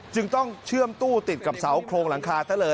จึงต้องเชื่อมตู้ติดกับเสาโครงหลังคาซะเลย